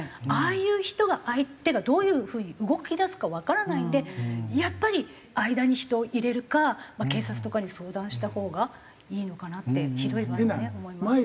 ああいう人が相手がどういう風に動きだすかわからないんでやっぱり間に人を入れるか警察とかに相談したほうがいいのかなってひどい場合はね思います。